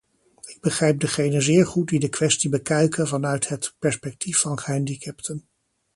Ik begrijp degenen zeer goed die de kwestie bekijken vanuit het perspectief van gehandicapten.